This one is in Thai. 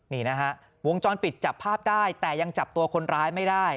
นี่นะฮะวงจรปิดจับภาพได้แต่ยังจับตัวคนร้ายไม่ได้